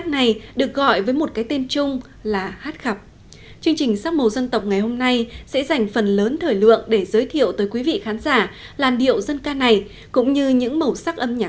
hãy nhớ like share và đăng ký kênh của chúng mình nhé